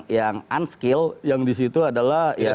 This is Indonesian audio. yang unskill yang di situ adalah tenaga